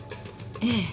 ええ。